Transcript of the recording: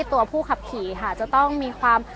ตัวผู้ขับขี่ค่ะจะต้องมีความ